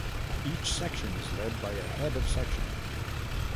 Each section is led by a Head of Section.